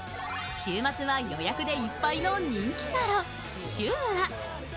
週末は予約でいっぱいの人気サロン、シュウア。